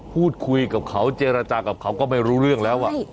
พูดคุยกับเขาเจรจากับเขาก็ไม่รู้เรื่องแล้ว